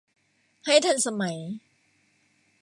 ให้ทันสมัย